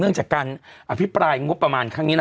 หรอหรอหรอหรอหรอหรอหรอหรอหรอหรอ